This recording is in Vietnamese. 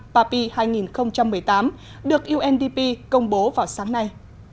papi hai nghìn một mươi tám được undp công bố vào sáng nay